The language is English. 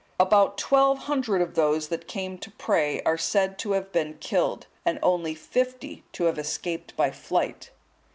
About twelve hundred of those that came to pray are said to have been killed, and only fifty to have escaped by flight.